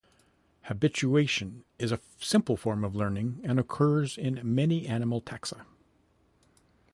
Habituation is a simple form of learning and occurs in many animal taxa.